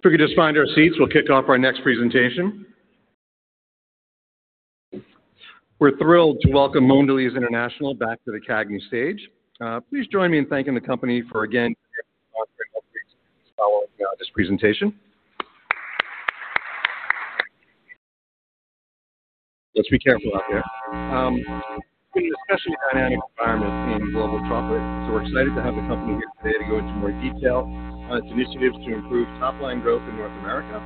If we could just find our seats, we'll kick off our next presentation. We're thrilled to welcome Mondelēz International back to the CAGNY stage. Please join me in thanking the company for again, following, this presentation. Let's be careful out there. It's an especially dynamic environment in global chocolate, so we're excited to have the company here today to go into more detail on its initiatives to improve top-line growth in North America,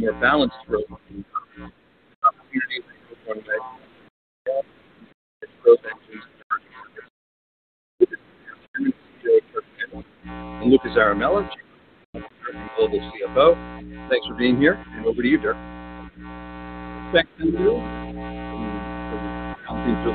more balanced growth, and Luca Zaramella, Global CFO. Thanks for being here, and over to you, Dirk. Thanks, Andrew. Thanks. We'll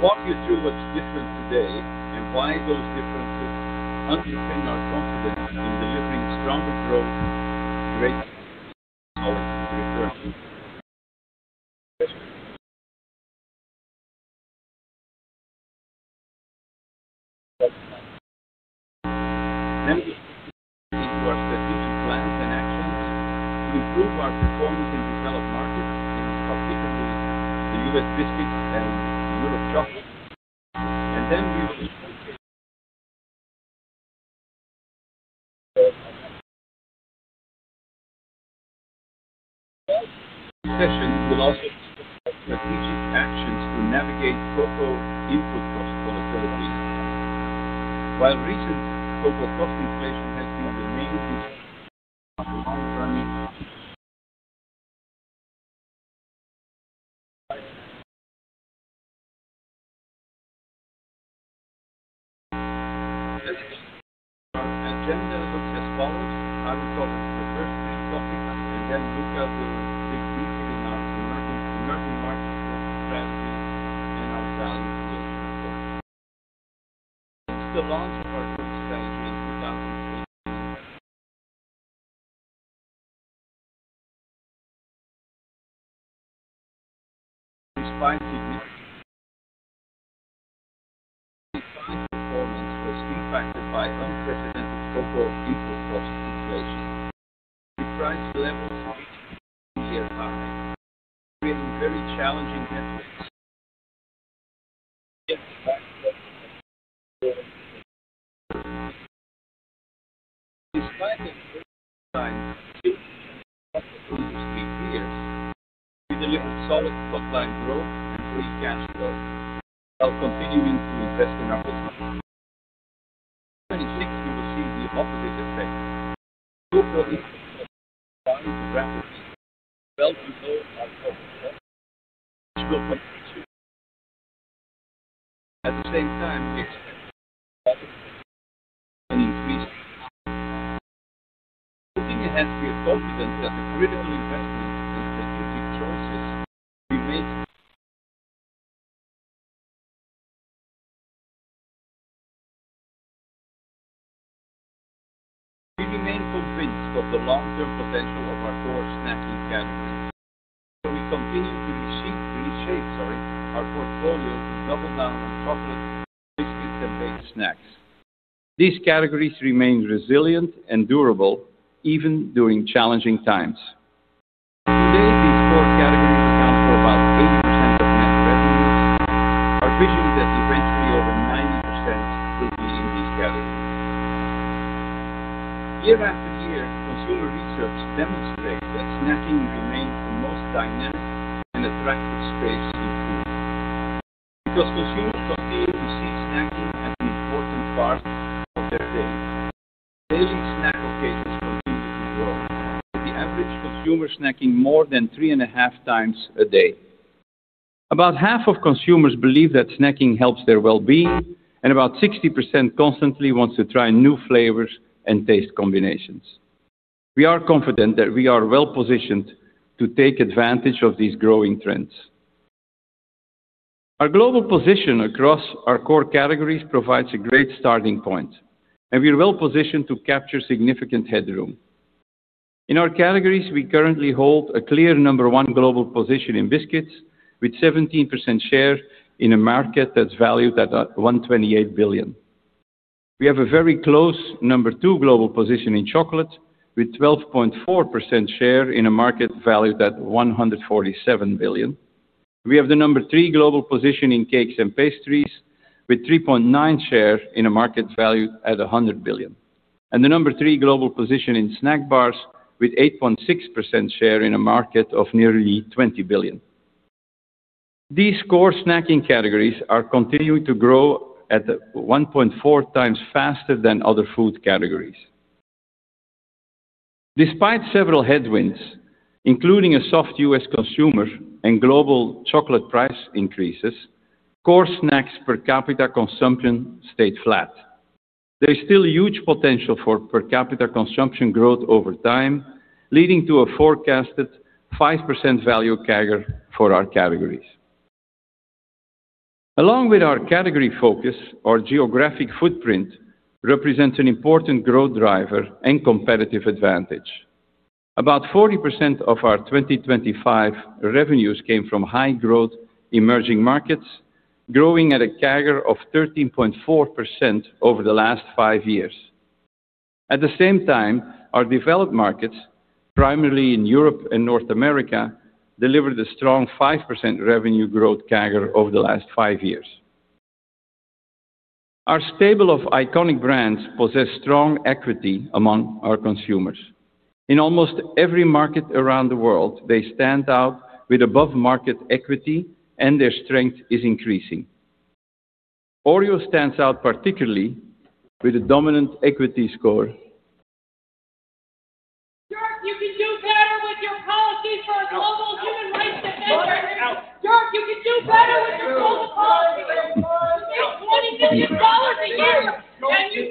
walk you through what's different today and why those differences underpin our confidence in delivering stronger growth, great quality, into our strategic plans and actions to improve our performance in developed markets, in particularly the U.S. biscuits and Europe chocolate. We, session will also strategic actions to navigate cocoa input cost volatility. While recent cocoa cost inflation has been the main, our agenda looks as follows. I will cover the first topic, and then Luca will dig deeper in our emerging, emerging market growth strategy and our balanced growth. Still on to our growth strategy in [2023]. Despite the, performance is first being impacted by unprecedented cocoa input cost inflation. We priced level point year, creating very challenging headwinds. Despite the, three years, we delivered solid top-line growth and free cash flow while continuing to invest in our business. 2026, we will see the opposite effect. Cocoa, rapidly, well below our corporate, at the same time, we expect, an increase. Looking ahead, we are confident that the critical investments and strategic choices we made. We remain convinced of the long-term potential of our core snacking categories. So we continue to reshape, sorry, our portfolio to double down on chocolate, biscuits, and baked snacks. These categories remain resilient and durable even during challenging times. Today, these four categories account for about 80% of net revenues. Our vision is that eventually over 90% will be in these categories. Year after year, consumer research demonstrates that snacking remains the most dynamic and attractive space in food. Because consumers continue to see snacking as an important part of their day. Daily snack occasions continue to grow, with the average consumer snacking more than 3.5 times a day. About half of consumers believe that snacking helps their well-being, and about 60% constantly wants to try new flavors and taste combinations. We are confident that we are well positioned to take advantage of these growing trends. Our global position across our core categories provides a great starting point, and we're well positioned to capture significant headroom. In our categories, we currently hold a clear number one global position in biscuits, with 17% share in a market that's valued at $128 billion. We have a very close number two global position in chocolate, with 12.4% share in a market valued at $147 billion. We have the number three global position in cakes and pastries, with 3.9 share in a market valued at $100 billion. And the number three global position in snack bars, with 8.6% share in a market of nearly $20 billion. These core snacking categories are continuing to grow at 1.4 times faster than other food categories. Despite several headwinds, including a soft U.S. consumer and global chocolate price increases, core snacks per capita consumption stayed flat. There is still huge potential for per capita consumption growth over time, leading to a forecasted 5% value CAGR for our categories. Along with our category focus, our geographic footprint represents an important growth driver and competitive advantage. About 40% of our 2025 revenues came from high growth emerging markets, growing at a CAGR of 13.4% over the last five years. At the same time, our developed markets, primarily in Europe and North America, delivered a strong 5% revenue growth CAGR over the last five years. Our stable of iconic brands possess strong equity among our consumers. In almost every market around the world, they stand out with above-market equity, and their strength is increasing. Oreo stands out particularly with a dominant equity score. Dirk, you can do better with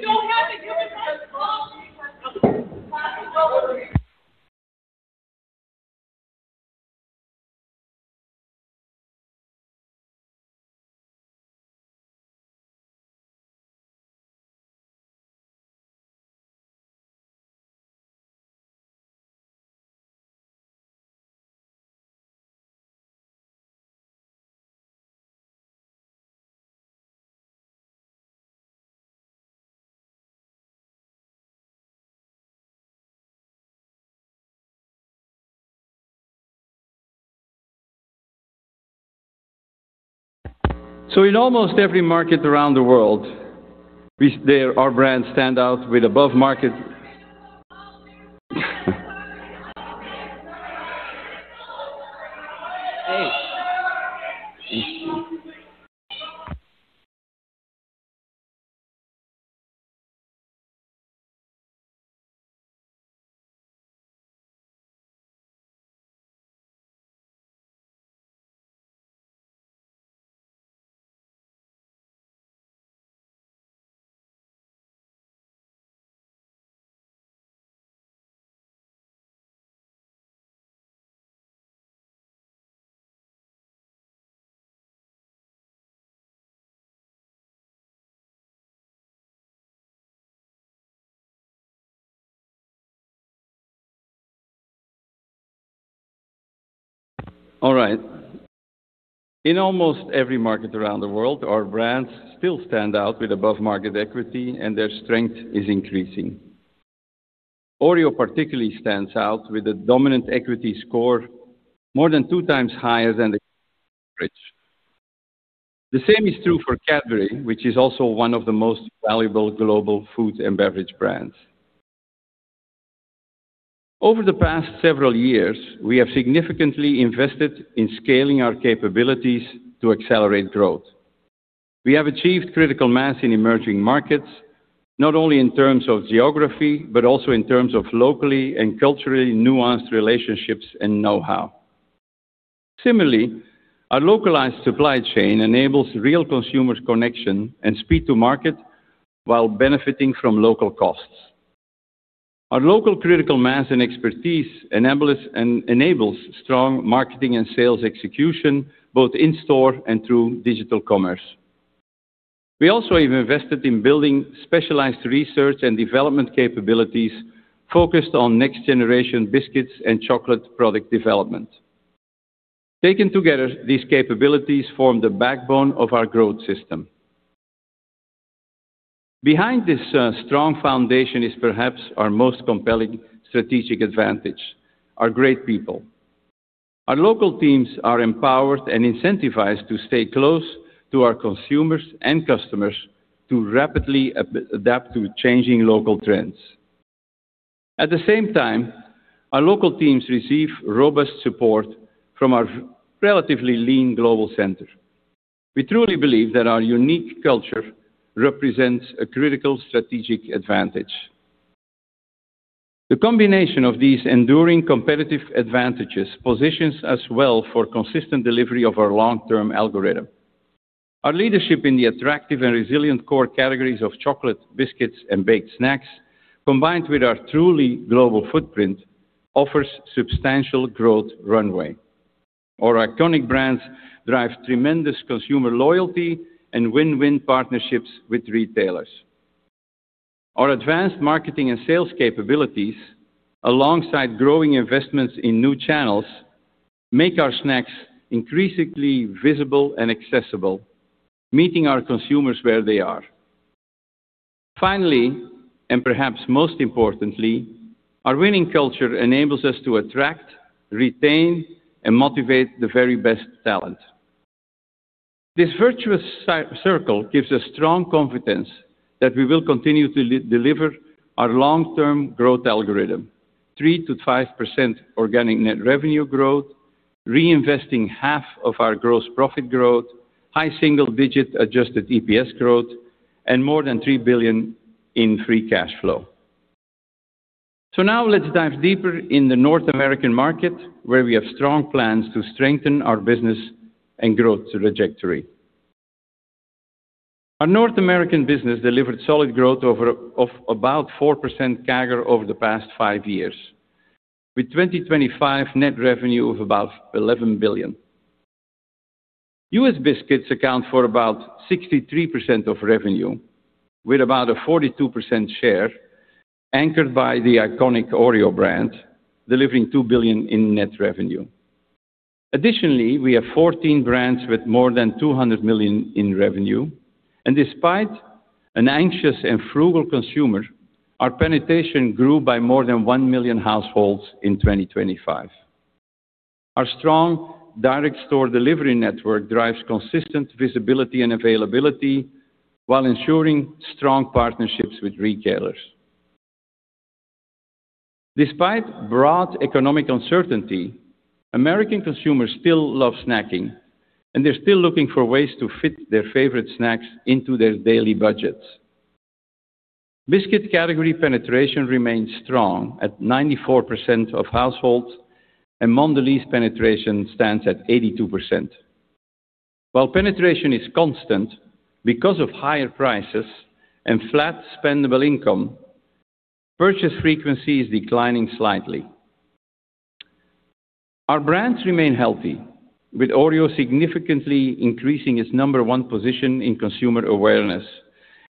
your policy for global human rights than this. Dirk, you can do better with your global policy! You make $20 billion a year, and you don't have a human rights policy. In almost every market around the world, our brands still stand out with above-market equity, and their strength is increasing. Oreo particularly stands out with a dominant equity score, more than two times higher than the average. The same is true for Cadbury, which is also one of the most valuable global food and beverage brands. Over the past several years, we have significantly invested in scaling our capabilities to accelerate growth. We have achieved critical mass in emerging markets, not only in terms of geography, but also in terms of locally and culturally nuanced relationships and know-how. Similarly, our localized supply chain enables real consumer connection and speed to market while benefiting from local costs. Our local critical mass and expertise enables strong marketing and sales execution, both in store and through digital commerce. We also have invested in building specialized research and development capabilities focused on next-generation biscuits and chocolate product development. Taken together, these capabilities form the backbone of our growth system. Behind this strong foundation is perhaps our most compelling strategic advantage, our great people. Our local teams are empowered and incentivized to stay close to our consumers and customers to rapidly adapt to changing local trends. At the same time, our local teams receive robust support from our relatively lean global center. We truly believe that our unique culture represents a critical strategic advantage. The combination of these enduring competitive advantages positions us well for consistent delivery of our long-term algorithm. Our leadership in the attractive and resilient core categories of chocolate, biscuits, and baked snacks, combined with our truly global footprint, offers substantial growth runway. Our iconic brands drive tremendous consumer loyalty and win-win partnerships with retailers. Our advanced marketing and sales capabilities, alongside growing investments in new channels, make our snacks increasingly visible and accessible, meeting our consumers where they are. Finally, and perhaps most importantly, our winning culture enables us to attract, retain, and motivate the very best talent. This virtuous circle gives us strong confidence that we will continue to deliver our long-term growth algorithm, 3%-5% organic net revenue growth, reinvesting half of our gross profit growth, high single-digit Adjusted EPS growth, and more than $3 billion in free cash flow. So now let's dive deeper in the North American market, where we have strong plans to strengthen our business and growth trajectory. Our North American business delivered solid growth over of about 4% CAGR over the past five years, with 2025 net revenue of about $11 billion. U.S. biscuits account for about 63% of revenue, with about a 42% share, anchored by the iconic Oreo brand, delivering $2 billion in net revenue. Additionally, we have 14 brands with more than $200 million in revenue, and despite an anxious and frugal consumer, our penetration grew by more than 1 million households in 2025. Our strong direct store delivery network drives consistent visibility and availability while ensuring strong partnerships with retailers. Despite broad economic uncertainty, American consumers still love snacking, and they're still looking for ways to fit their favorite snacks into their daily budgets. Biscuit category penetration remains strong at 94% of households, and Mondelēz penetration stands at 82%. While penetration is constant, because of higher prices and flat spendable income, purchase frequency is declining slightly. Our brands remain healthy, with Oreo significantly increasing its number one position in consumer awareness,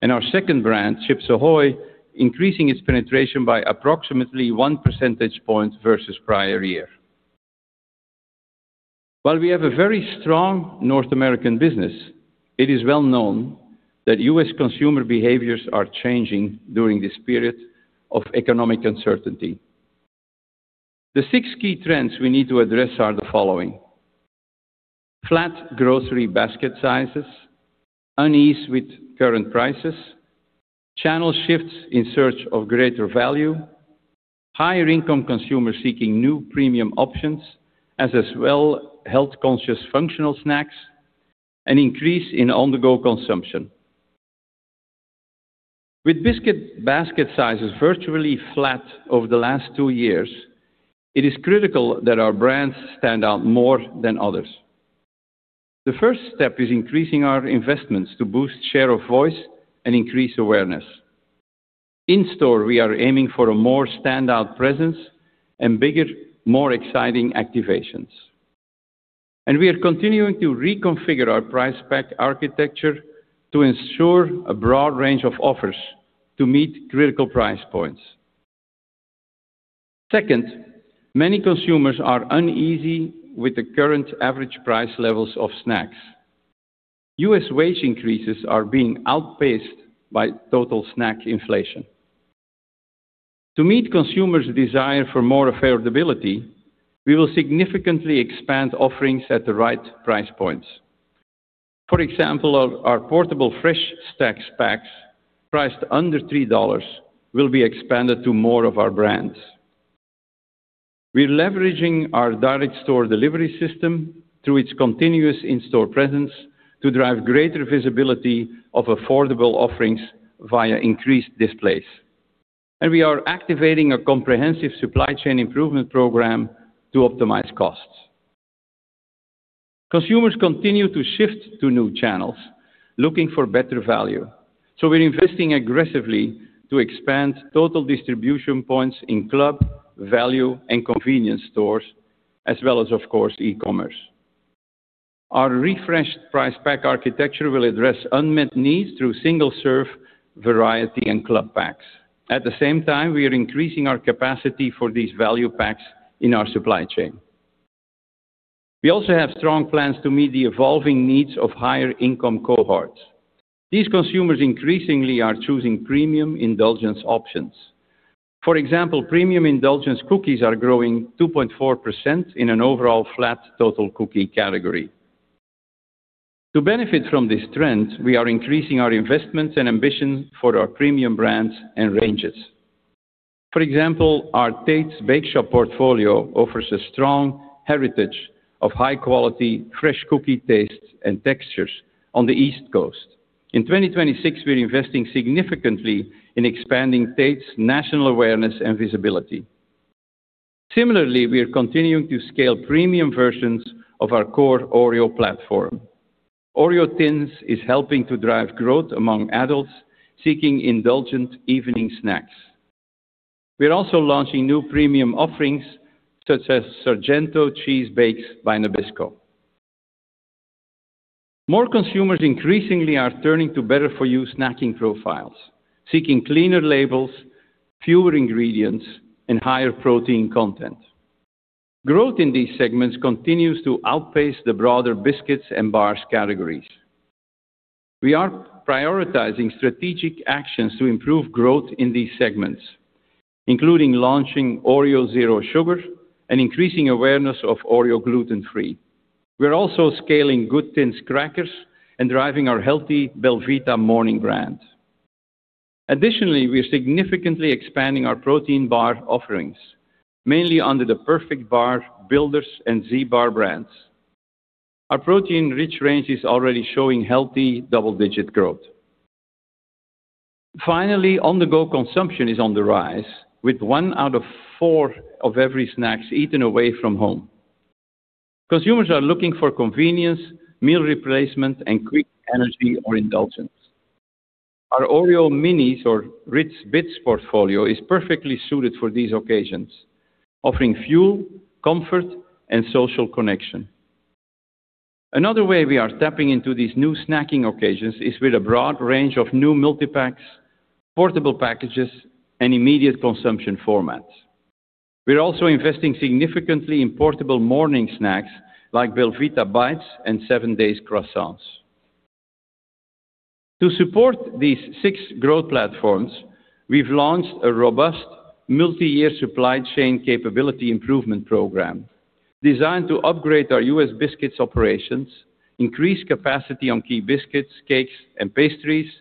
and our second brand, Chips Ahoy!, increasing its penetration by approximately 1 percentage point versus prior year. While we have a very strong North American business, it is well known that U.S. consumer behaviors are changing during this period of economic uncertainty. The six key trends we need to address are the following: flat grocery basket sizes, unease with current prices, channel shifts in search of greater value, higher income consumers seeking new premium options, as well as health-conscious functional snacks, an increase in on-the-go consumption. With biscuit basket sizes virtually flat over the last two years, it is critical that our brands stand out more than others. The first step is increasing our investments to boost share of voice and increase awareness. In store, we are aiming for a more standout presence and bigger, more exciting activations. We are continuing to reconfigure our price-pack-architecture to ensure a broad range of offers to meet critical price points. Second, many consumers are uneasy with the current average price levels of snacks. U.S. wage increases are being outpaced by total snack inflation. To meet consumers' desire for more affordability, we will significantly expand offerings at the right price points. For example, our portable fresh stack packs, priced under $3, will be expanded to more of our brands. We're leveraging our Direct Store Delivery system through its continuous in-store presence to drive greater visibility of affordable offerings via increased displays. We are activating a comprehensive supply chain improvement program to optimize costs. Consumers continue to shift to new channels, looking for better value. We're investing aggressively to expand total distribution points in club, value, and convenience stores, as well as, of course, eCommerce. Our refreshed price-pack-architecture will address unmet needs through single-serve variety and club packs. At the same time, we are increasing our capacity for these value packs in our supply chain. We also have strong plans to meet the evolving needs of higher income cohorts. These consumers increasingly are choosing premium indulgence options. For example, premium indulgence cookies are growing 2.4% in an overall flat total cookie category. To benefit from this trend, we are increasing our investments and ambitions for our premium brands and ranges. For example, our Tate's Bake Shop portfolio offers a strong heritage of high quality, fresh cookie tastes and textures on the East Coast. In 2026, we're investing significantly in expanding Tate's national awareness and visibility. Similarly, we are continuing to scale premium versions of our core Oreo platform. Oreo Thins is helping to drive growth among adults seeking indulgent evening snacks. We are also launching new premium offerings such as Sargento Cheese Bakes by Nabisco. More consumers increasingly are turning to better-for-you snacking profiles, seeking cleaner labels, fewer ingredients, and higher protein content. Growth in these segments continues to outpace the broader biscuits and bars categories. We are prioritizing strategic actions to improve growth in these segments, including launching Oreo Zero Sugar and increasing awareness of Oreo Gluten Free. We are also scaling GOOD THiNS crackers and driving our healthy belVita morning brand. Additionally, we are significantly expanding our protein bar offerings, mainly under the Perfect Bar, Builders, and ZBar brands. Our protein-rich range is already showing healthy double-digit growth. Finally, on-the-go consumption is on the rise, with one out of four of every snacks eaten away from home. Consumers are looking for convenience, meal replacement, and quick energy or indulgence. Our Oreo Minis or RITZ Bits portfolio is perfectly suited for these occasions, offering fuel, comfort, and social connection. Another way we are tapping into these new snacking occasions is with a broad range of new multipacks, portable packages, and immediate consumption formats. We're also investing significantly in portable morning snacks, like belVita Bites and 7DAYS croissants. To support these six growth platforms, we've launched a robust multi-year supply chain capability improvement program, designed to upgrade our U.S. biscuits operations, increase capacity on key biscuits, cakes, and pastries,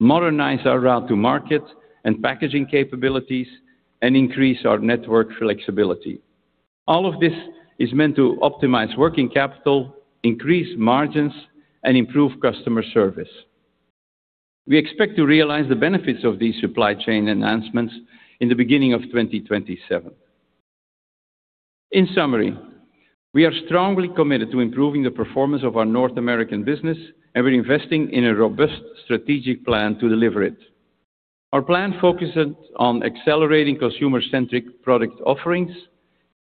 modernize our route to market and packaging capabilities, and increase our network flexibility. All of this is meant to optimize working capital, increase margins, and improve customer service. We expect to realize the benefits of these supply chain enhancements in the beginning of 2027. In summary, we are strongly committed to improving the performance of our North American business, and we're investing in a robust strategic plan to deliver it. Our plan focuses on accelerating consumer-centric product offerings,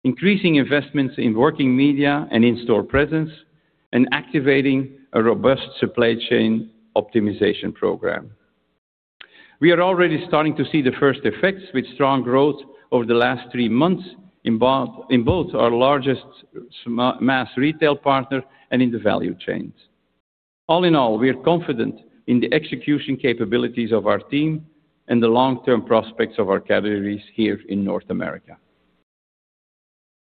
increasing investments in working media and in-store presence, and activating a robust supply chain optimization program. We are already starting to see the first effects, with strong growth over the last 3 months in both our largest mass retail partner and in the value chains. All in all, we are confident in the execution capabilities of our team and the long-term prospects of our categories here in North America.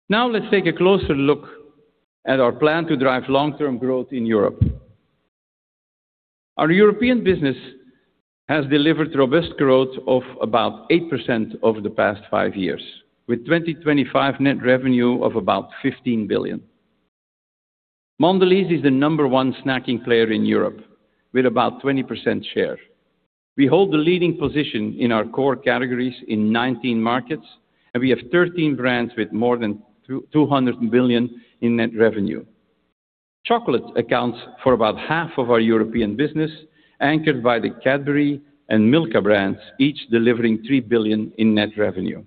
Now, let's take a closer look at our plan to drive long-term growth in Europe. Our European business has delivered robust growth of about 8% over the past five years, with 2025 net revenue of about $15 billion. Mondelēz is the number one snacking player in Europe, with about 20% share. We hold the leading position in our core categories in 19 markets, and we have 13 brands with more than 200 billion in net revenue. Chocolate accounts for about half of our European business, anchored by the Cadbury and Milka brands, each delivering $3 billion in net revenue.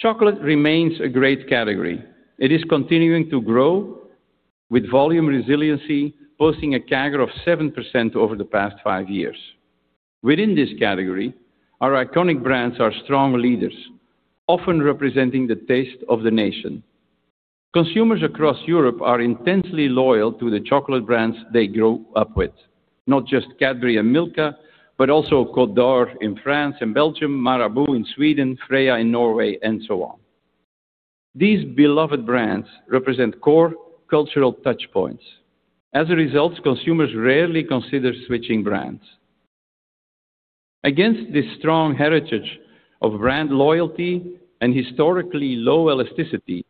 Chocolate remains a great category. It is continuing to grow with volume resiliency, posting a CAGR of 7% over the past five years. Within this category, our iconic brands are strong leaders, often representing the taste of the nation. Consumers across Europe are intensely loyal to the chocolate brands they grow up with, not just Cadbury and Milka, but also Côte d'Or in France and Belgium, Marabou in Sweden, Freia in Norway, and so on. These beloved brands represent core cultural touchpoints. As a result, consumers rarely consider switching brands. Against this strong heritage of brand loyalty and historically low elasticity,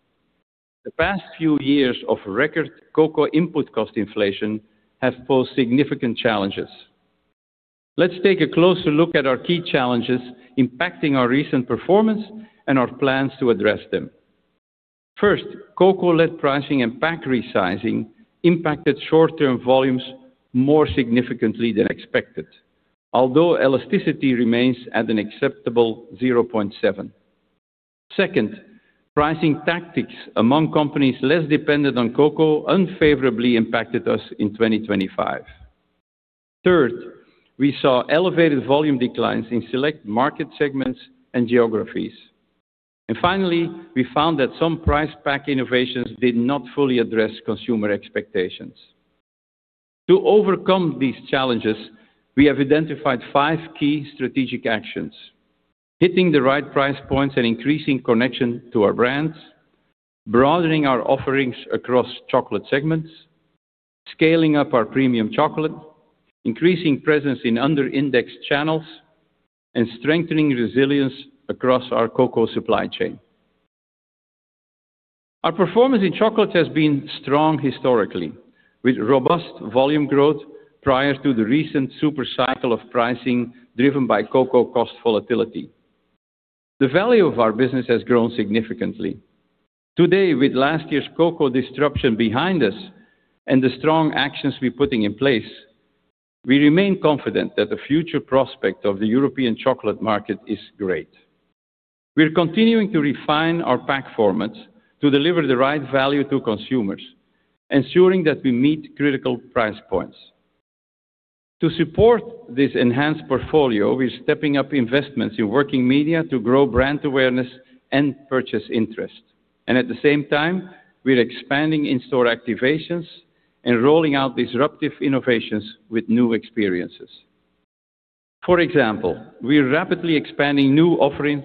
the past few years of record cocoa input cost inflation have posed significant challenges. Let's take a closer look at our key challenges impacting our recent performance and our plans to address them. First, cocoa led pricing and pack resizing impacted short-term volumes more significantly than expected, although elasticity remains at an acceptable 0.7. Second, pricing tactics among companies less dependent on cocoa unfavorably impacted us in 2025. Third, we saw elevated volume declines in select market segments and geographies. Finally, we found that some price pack innovations did not fully address consumer expectations. To overcome these challenges, we have identified five key strategic actions: hitting the right price points and increasing connection to our brands, broadening our offerings across chocolate segments, scaling up our premium chocolate, increasing presence in under-indexed channels, and strengthening resilience across our cocoa supply chain. Our performance in chocolate has been strong historically, with robust volume growth prior to the recent super cycle of pricing, driven by cocoa cost volatility. The value of our business has grown significantly. Today, with last year's cocoa disruption behind us and the strong actions we're putting in place, we remain confident that the future prospect of the European chocolate market is great. We are continuing to refine our pack formats to deliver the right value to consumers, ensuring that we meet critical price points. To support this enhanced portfolio, we're stepping up investments in working media to grow brand awareness and purchase interest, and at the same time, we're expanding in-store activations and rolling out disruptive innovations with new experiences. For example, we are rapidly expanding new offerings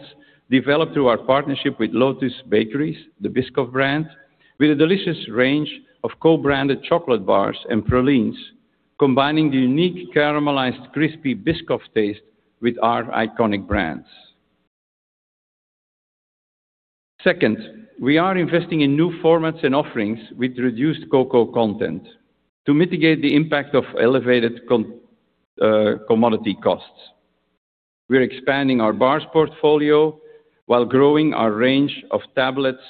developed through our partnership with Lotus Bakeries, the Biscoff brand, with a delicious range of co-branded chocolate bars and pralines, combining the unique caramelized, crispy Biscoff taste with our iconic brands. Second, we are investing in new formats and offerings with reduced cocoa content to mitigate the impact of elevated commodity costs. We are expanding our bars portfolio while growing our range of tablets,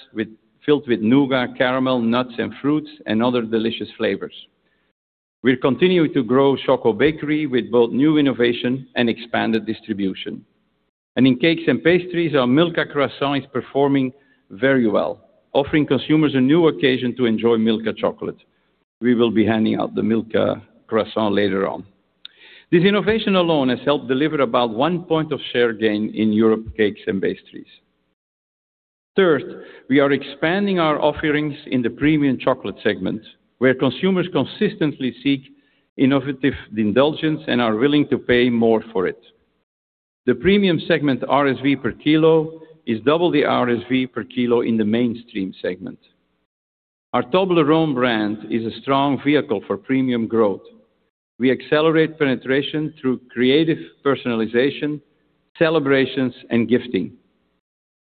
filled with nougat, caramel, nuts, and fruits, and other delicious flavors. We're continuing to grow Choco Bakery with both new innovation and expanded distribution. And in cakes and pastries, our Milka croissant is performing very well, offering consumers a new occasion to enjoy Milka chocolate. We will be handing out the Milka croissant later on. This innovation alone has helped deliver about one point of share gain in Europe, cakes and pastries. Third, we are expanding our offerings in the premium chocolate segment, where consumers consistently seek innovative indulgence and are willing to pay more for it. The premium segment RSV per kilo is double the RSV per kilo in the mainstream segment. Our Toblerone brand is a strong vehicle for premium growth. We accelerate penetration through creative personalization, celebrations, and gifting.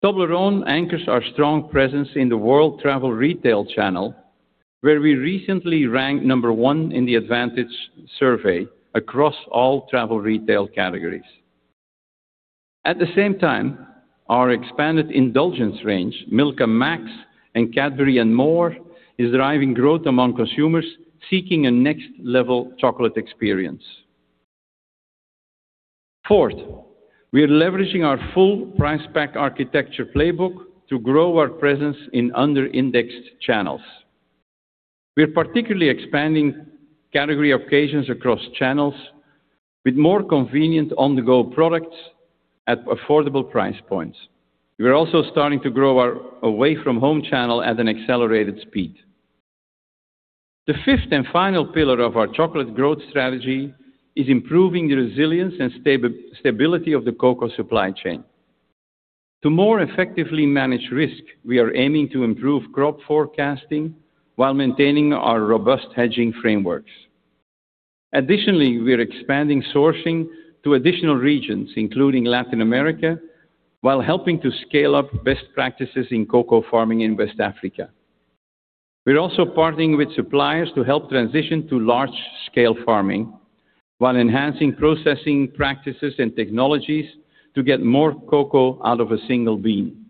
Toblerone anchors our strong presence in the world travel retail channel, where we recently ranked number one in the Advantage survey across all travel retail categories. At the same time, our expanded indulgence range, Milka Mmmax and Cadbury &More, is driving growth among consumers seeking a next-level chocolate experience. Fourth, we are leveraging our full price pack architecture playbook to grow our presence in under-indexed channels. We are particularly expanding category occasions across channels with more convenient on-the-go products at affordable price points. We are also starting to grow our away-from-home channel at an accelerated speed. The fifth and final pillar of our chocolate growth strategy is improving the resilience and stability of the cocoa supply chain. To more effectively manage risk, we are aiming to improve crop forecasting while maintaining our robust hedging frameworks. Additionally, we are expanding sourcing to additional regions, including Latin America, while helping to scale up best practices in cocoa farming in West Africa. We're also partnering with suppliers to help transition to large-scale farming, while enhancing processing practices and technologies to get more cocoa out of a single bean.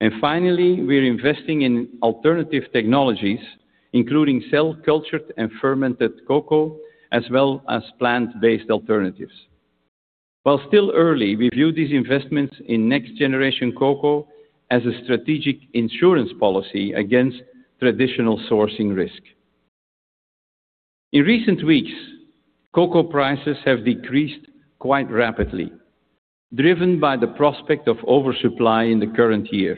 And finally, we're investing in alternative technologies, including cell-cultured and fermented cocoa, as well as plant-based alternatives. While still early, we view these investments in next-generation cocoa as a strategic insurance policy against traditional sourcing risk. In recent weeks, cocoa prices have decreased quite rapidly, driven by the prospect of oversupply in the current year.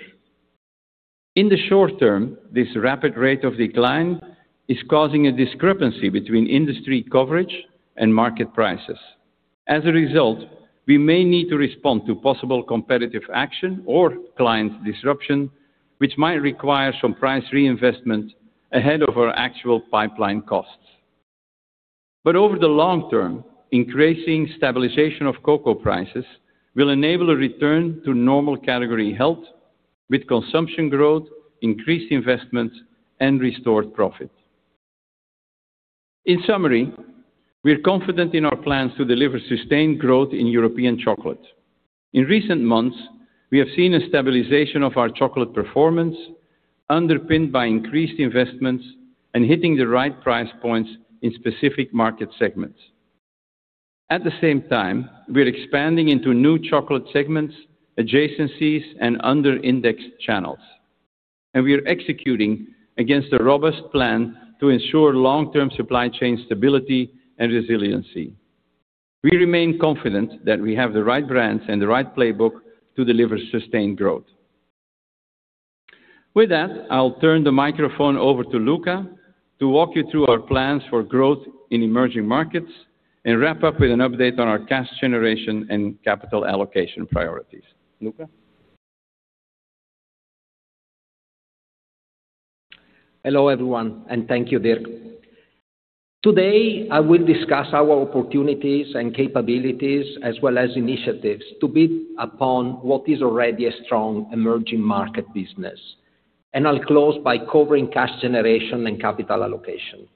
In the short term, this rapid rate of decline is causing a discrepancy between industry coverage and market prices. As a result, we may need to respond to possible competitive action or client disruption, which might require some price reinvestment ahead of our actual pipeline costs. But over the long term, increasing stabilization of cocoa prices will enable a return to normal category health with consumption growth, increased investments, and restored profit. In summary, we are confident in our plans to deliver sustained growth in European chocolate. In recent months, we have seen a stabilization of our chocolate performance, underpinned by increased investments and hitting the right price points in specific market segments. At the same time, we are expanding into new chocolate segments, adjacencies, and under-indexed channels, and we are executing against a robust plan to ensure long-term supply chain stability and resiliency. We remain confident that we have the right brands and the right playbook to deliver sustained growth. With that, I'll turn the microphone over to Luca to walk you through our plans for growth in emerging markets and wrap up with an update on our cash generation and capital allocation priorities. Luca? Hello, everyone, and thank you, Dirk. Today, I will discuss our opportunities and capabilities, as well as initiatives to build upon what is already a strong emerging market business. I'll close by covering cash generation and capital allocation.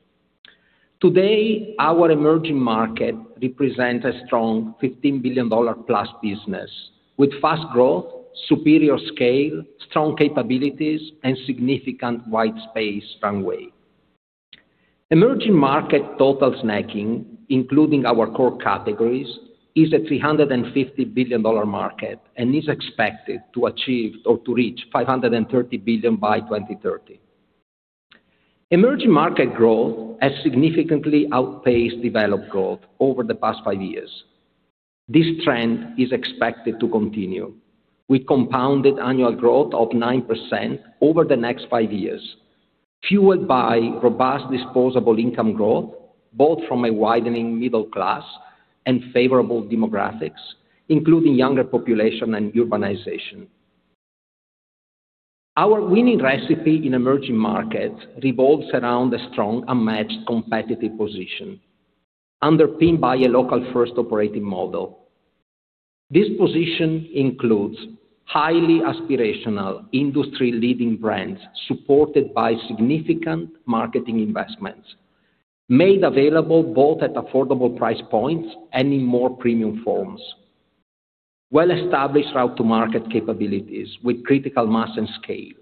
Today, our emerging market represents a strong $15 billion+ business, with fast growth, superior scale, strong capabilities, and significant white space runway. Emerging market total snacking, including our core categories, is a $350 billion market and is expected to achieve or to reach $530 billion by 2030. Emerging market growth has significantly outpaced developed growth over the past five years. This trend is expected to continue, with compounded annual growth of 9% over the next five years, fueled by robust disposable income growth, both from a widening middle class and favorable demographics, including younger population and urbanization. Our winning recipe in emerging markets revolves around a strong, unmatched competitive position, underpinned by a local-first operating model. This position includes highly aspirational, industry-leading brands, supported by significant marketing investments, made available both at affordable price points and in more premium forms. Well-established route to market capabilities with critical mass and scale,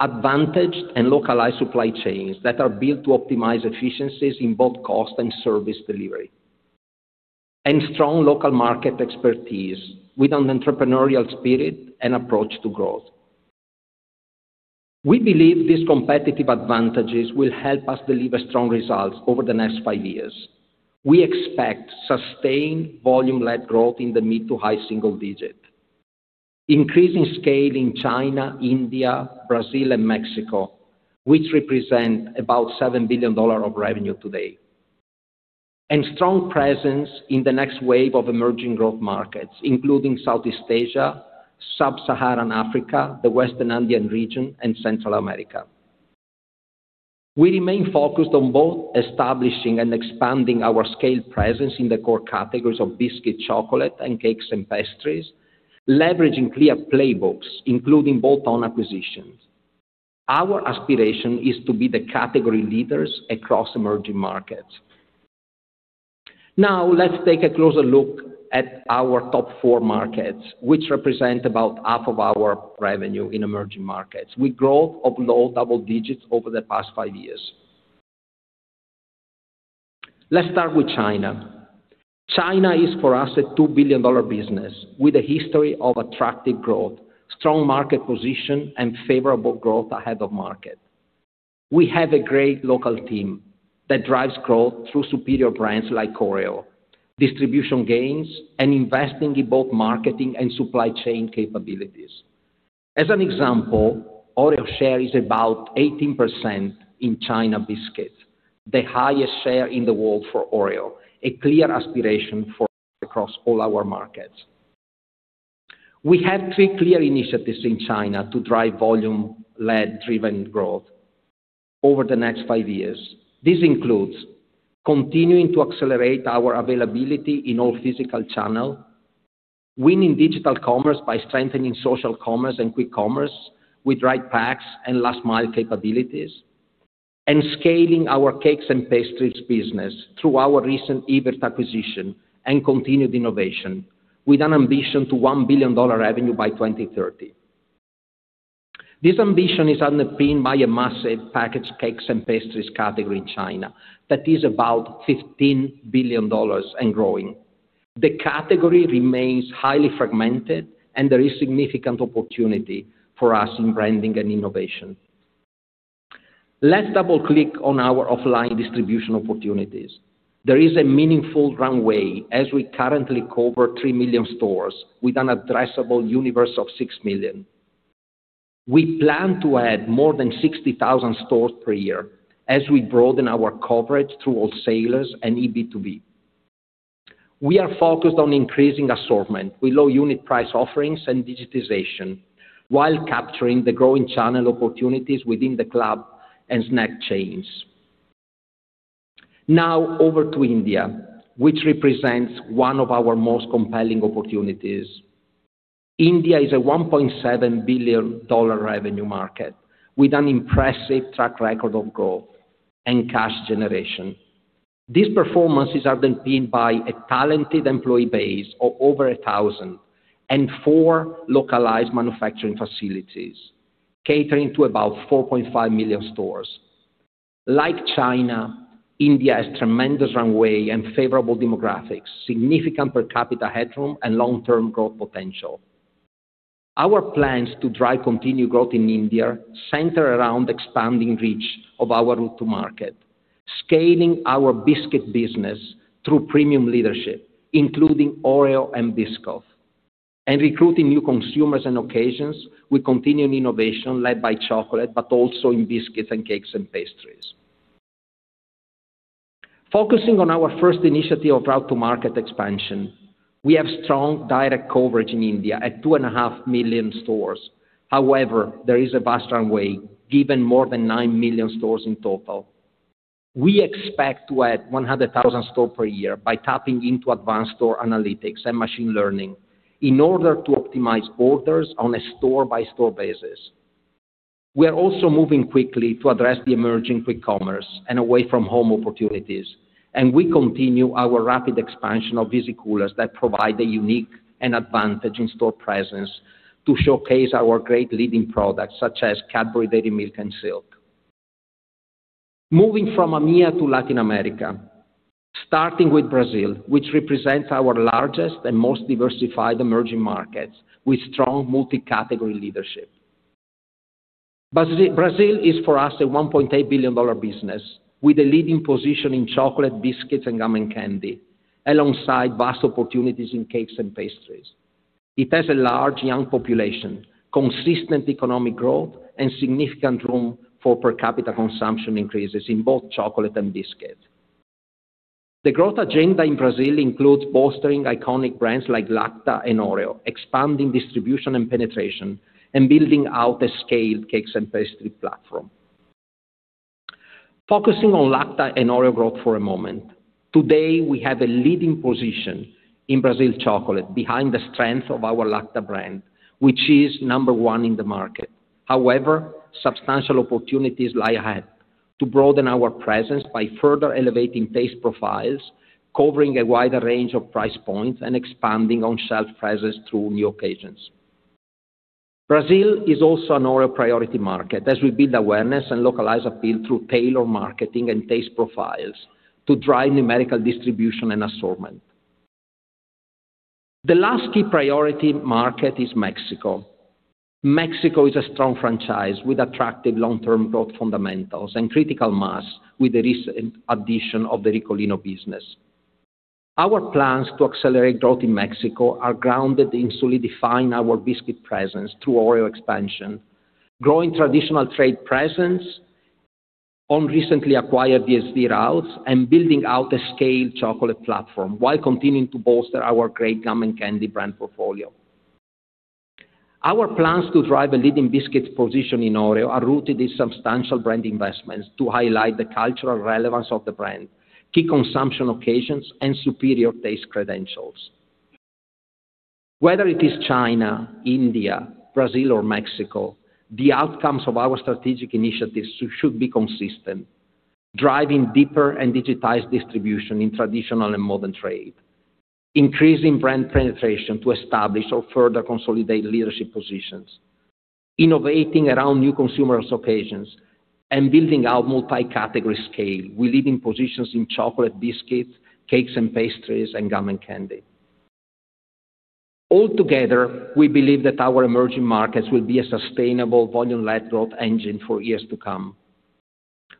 advantaged and localized supply chains that are built to optimize efficiencies in both cost and service delivery, and strong local market expertise with an entrepreneurial spirit and approach to growth. We believe these competitive advantages will help us deliver strong results over the next five years. We expect sustained volume-led growth in the mid- to high-single-digit, increasing scale in China, India, Brazil, and Mexico, which represent about $7 billion of revenue today. Strong presence in the next wave of emerging growth markets, including Southeast Asia, Sub-Saharan Africa, the Western Indian region, and Central America. We remain focused on both establishing and expanding our scale presence in the core categories of biscuits, chocolate, and cakes and pastries, leveraging clear playbooks, including bolt-on acquisitions. Our aspiration is to be the category leaders across emerging markets. Now, let's take a closer look at our top four markets, which represent about half of our revenue in emerging markets, with growth of low double digits over the past five years. Let's start with China. China is, for us, a $2 billion business with a history of attractive growth, strong market position, and favorable growth ahead of market. We have a great local team that drives growth through superior brands like Oreo, distribution gains, and investing in both marketing and supply chain capabilities. As an example, Oreo share is about 18% in China biscuits, the highest share in the world for Oreo, a clear aspiration for across all our markets. We have three clear initiatives in China to drive volume-led driven growth over the next five years. This includes continuing to accelerate our availability in all physical channel, winning digital commerce by strengthening social commerce and quick commerce with right packs and last mile capabilities, and scaling our cakes and pastries business through our recent Evirth acquisition and continued innovation, with an ambition to $1 billion revenue by 2030. This ambition is underpinned by a massive packaged cakes and pastries category in China, that is about $15 billion and growing. The category remains highly fragmented, and there is significant opportunity for us in branding and innovation. Let's double-click on our offline distribution opportunities. There is a meaningful runway as we currently cover 3 million stores with an addressable universe of 6 million. We plan to add more than 60,000 stores per year as we broaden our coverage through wholesalers and B2B. We are focused on increasing assortment with low unit price offerings and digitization, while capturing the growing channel opportunities within the club and snack chains. Now, over to India, which represents one of our most compelling opportunities. India is a $1.7 billion revenue market with an impressive track record of growth and cash generation. These performances are underpinned by a talented employee base of over 1,000 and four localized manufacturing facilities, catering to about 4.5 million stores. Like China, India has tremendous runway and favorable demographics, significant per capita headroom, and long-term growth potential. Our plans to drive continued growth in India center around expanding reach of our route to market, scaling our biscuit business through premium leadership, including Oreo and Biscoff, and recruiting new consumers and occasions with continuing innovation led by chocolate, but also in biscuits and cakes and pastries. Focusing on our first initiative of route to market expansion, we have strong direct coverage in India at 2.5 million stores. However, there is a vast runway, given more than 9 million stores in total. We expect to add 100,000 stores per year by tapping into advanced store analytics and machine learning in order to optimize orders on a store-by-store basis. We are also moving quickly to address the emerging quick commerce and away from home opportunities, and we continue our rapid expansion of easy coolers that provide a unique and advantage in-store presence to showcase our great leading products, such as Cadbury Dairy Milk and Silk. Moving from EMEA to Latin America, starting with Brazil, which represents our largest and most diversified emerging markets, with strong multi-category leadership. Brazil is, for us, a $1.8 billion business with a leading position in chocolate, biscuits, and gum and candy, alongside vast opportunities in cakes and pastries. It has a large, young population, consistent economic growth, and significant room for per capita consumption increases in both chocolate and biscuits. The growth agenda in Brazil includes bolstering iconic brands like Lacta and Oreo, expanding distribution and penetration, and building out a scaled cakes and pastry platform.... Focusing on Lacta and Oreo growth for a moment. Today, we have a leading position in Brazil chocolate behind the strength of our Lacta brand, which is number one in the market. However, substantial opportunities lie ahead to broaden our presence by further elevating taste profiles, covering a wider range of price points, and expanding on shelf presence through new occasions. Brazil is also an Oreo priority market as we build awareness and localize appeal through tailored marketing and taste profiles to drive numerical distribution and assortment. The last key priority market is Mexico. Mexico is a strong franchise with attractive long-term growth fundamentals and critical mass with the recent addition of the Ricolino business. Our plans to accelerate growth in Mexico are grounded in solidifying our biscuit presence through Oreo expansion, growing traditional trade presence on recently acquired DSD routes, and building out a scale chocolate platform, while continuing to bolster our great gum and candy brand portfolio. Our plans to drive a leading biscuit position in Oreo are rooted in substantial brand investments to highlight the cultural relevance of the brand, key consumption occasions, and superior taste credentials. Whether it is China, India, Brazil, or Mexico, the outcomes of our strategic initiatives should be consistent, driving deeper and digitized distribution in traditional and modern trade, increasing brand penetration to establish or further consolidate leadership positions, innovating around new consumer occasions, and building out multi-category scale with leading positions in chocolate, biscuits, cakes and pastries, and gum and candy. Altogether, we believe that our emerging markets will be a sustainable volume-led growth engine for years to come.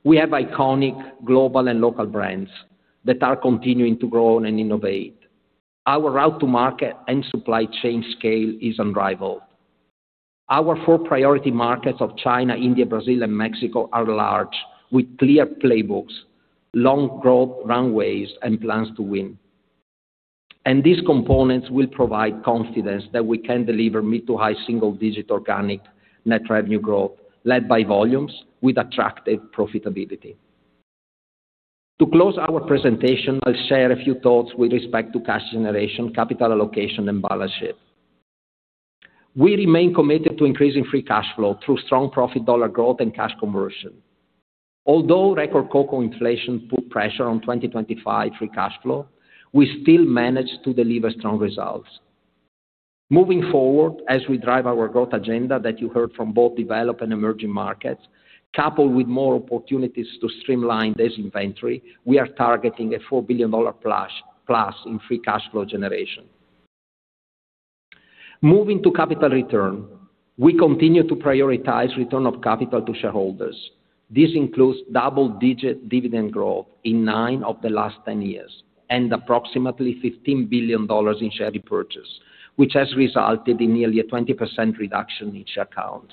We have iconic global and local brands that are continuing to grow and innovate. Our route to market and supply chain scale is unrivaled. Our four priority markets of China, India, Brazil, and Mexico are large, with clear playbooks, long growth runways, and plans to win. These components will provide confidence that we can deliver mid- to high-single-digit organic net revenue growth, led by volumes with attractive profitability. To close our presentation, I'll share a few thoughts with respect to cash generation, capital allocation, and balance sheet. We remain committed to increasing free cash flow through strong profit dollar growth and cash conversion. Although record cocoa inflation put pressure on 2025 free cash flow, we still managed to deliver strong results. Moving forward, as we drive our growth agenda that you heard from both developed and emerging markets, coupled with more opportunities to streamline this inventory, we are targeting a $4 billion+ in free cash flow generation. Moving to capital return, we continue to prioritize return of capital to shareholders. This includes double-digit dividend growth in nine of the last 10 years, and approximately $15 billion in share repurchase, which has resulted in nearly a 20% reduction in share count.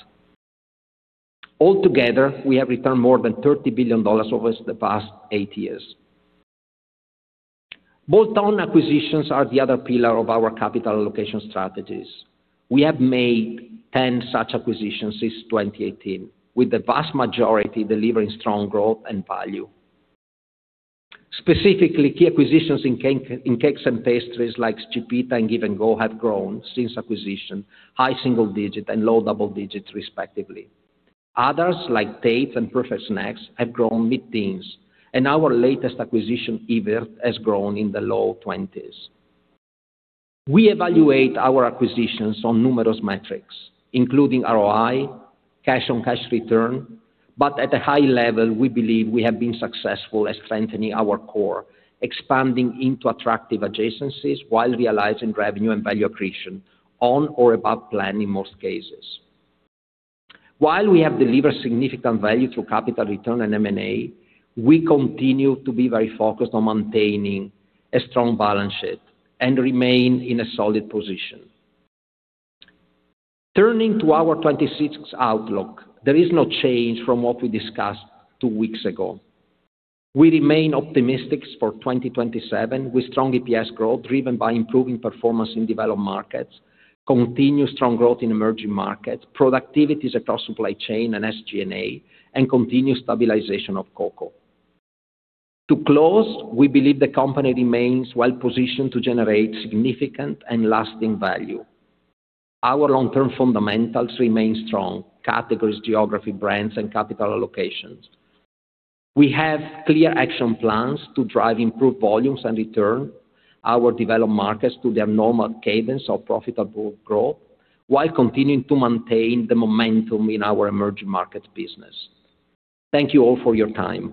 Altogether, we have returned more than $30 billion over the past eight years. Bolt-on acquisitions are the other pillar of our capital allocation strategies. We have made 10 such acquisitions since 2018, with the vast majority delivering strong growth and value. Specifically, key acquisitions in cakes and pastries, like Chipita and Give & Go, have grown since acquisition, high single digit and low double digits, respectively. Others, like Tate and Perfect Snacks, have grown mid-teens, and our latest acquisition, Evirth, has grown in the low 20s. We evaluate our acquisitions on numerous metrics, including ROI, cash on cash return, but at a high level, we believe we have been successful at strengthening our core, expanding into attractive adjacencies, while realizing revenue and value accretion on or above plan in most cases. While we have delivered significant value through capital return and M&A, we continue to be very focused on maintaining a strong balance sheet and remain in a solid position. Turning to our 2026 outlook, there is no change from what we discussed two weeks ago. We remain optimistic for 2027, with strong EPS growth, driven by improving performance in developed markets, continued strong growth in emerging markets, productivities across supply chain and SG&A, and continued stabilization of cocoa. To close, we believe the company remains well positioned to generate significant and lasting value. Our long-term fundamentals remain strong: categories, geography, brands, and capital allocations. We have clear action plans to drive improved volumes and return our developed markets to their normal cadence of profitable growth, while continuing to maintain the momentum in our emerging market business. Thank you all for your time.